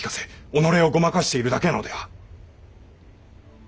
己をごまかしているだけなのでは。